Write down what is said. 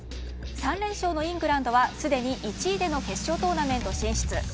３連勝のイングランドは、すでに１位での決勝トーナメント進出。